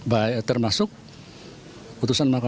baik termasuk putusan mk